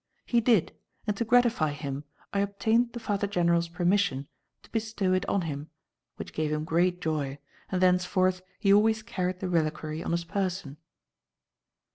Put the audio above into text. He did, and to gratify him, I obtained the Father General's permission to bestow it on him, which gave him great joy, and thenceforth he always carried the reliquary on his person."